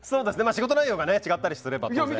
仕事内容が違ったりすれば当然。